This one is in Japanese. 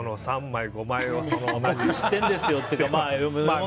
３枚、５枚を。